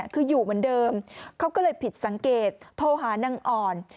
คืออยู่เหมือนเดิมเขาก็เลยผิดสังเกตโทรหานางอ่อน